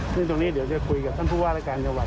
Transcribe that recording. ซึ่งตรงนี้เดี๋ยวจะคุยกับท่านผู้ว่ารายการจังหวัด